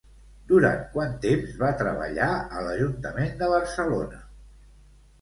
Durant quant temps va treballar a l'Ajuntament de Barcelona?